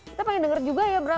kita pengen dengar juga ya bram